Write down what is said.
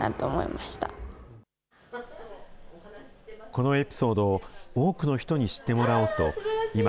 このエピソードを多くの人に知ってもらおうと、今、